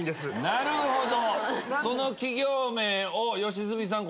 なるほど。